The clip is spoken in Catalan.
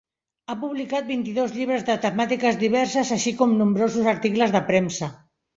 Ha publicat vint-i-dos llibres de temàtiques diverses així com nombrosos articles de premsa.